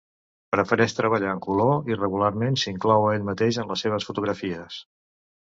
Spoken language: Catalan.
Prefereix treballar en color i, regularment, s'inclou a ell mateix en les seves fotografies.